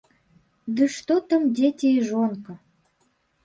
Ды што там дзеці і жонка.